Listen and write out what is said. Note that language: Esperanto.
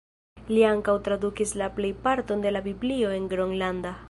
Li ankaŭ tradukis la plejparton de la Biblio en gronlanda.